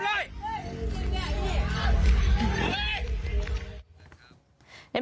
สุดยอด